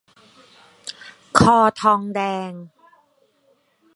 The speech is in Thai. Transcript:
คอทองแดง